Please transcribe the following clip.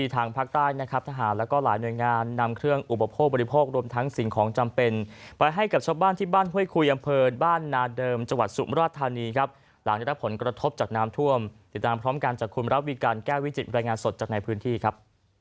ทางภาคใต้นะครับทหารแล้วก็หลายหน่วยงานนำเครื่องอุปโภคบริโภครวมทั้งสิ่งของจำเป็นไปให้กับชาวบ้านที่บ้านห้วยคุยอำเภอบ้านนาเดิมจังหวัดสุมราชธานีครับหลังได้รับผลกระทบจากน้ำท่วมติดตามพร้อมกันจากคุณระวิการแก้วิจิตรายงานสดจากในพื้นที่ครับ